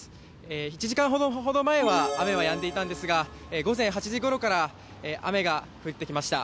１時間ほど前は雨はやんでいたんですが午前８時ごろから雨が降ってきました。